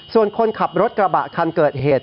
ส่วนคนขับรถกระบะคันเกิดเหตุ